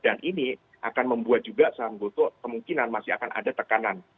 dan ini akan membuat juga saham goto kemungkinan masih akan ada tekanan